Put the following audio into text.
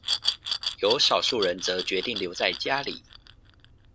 有少數人則決定留在家裡